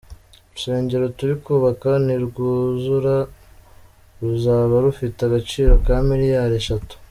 Urusengero turi kubaka nirwuzura ruzaba rufite agaciro ka miliyari eshatu.